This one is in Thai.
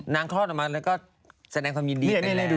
นางคลอดออกมาแล้วก็แสดงความยินดีกันแหละ